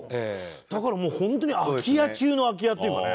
だからもうホントに空き家中の空き家っていうかね。